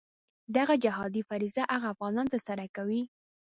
دغه جهادي فریضه هغه افغانان ترسره کوي.